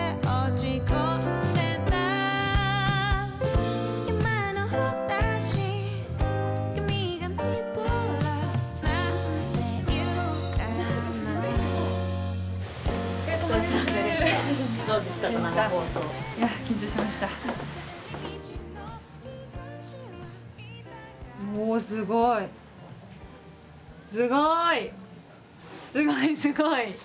おすごい。